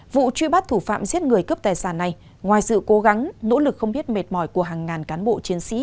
vụ truy bắt thủ phạm giết người cướp tài sản này ngoài sự cố gắng nỗ lực không biết mệt mỏi của hàng ngàn cán bộ chiến sĩ